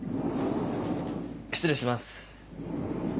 失礼します。